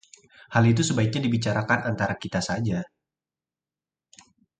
hal itu sebaiknya dibicarakan antara kita saja